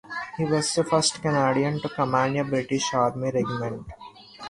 He was the first Canadian to command a British Army regiment.